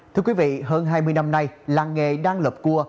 thưa quý vị hơn hai mươi năm nay làng nghề đang lập cua